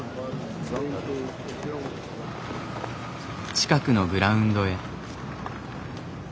近くのグラウンドへ。